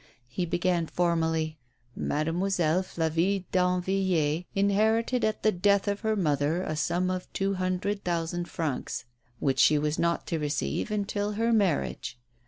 He began formally : "Mademoiselle Flavie Danvilliers inherited at the death of her mother a sum of two hundred thousand francs, which she was not to receive until her marriage.